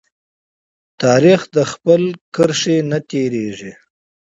تاریخ د خپل کرښې نه تیریږي.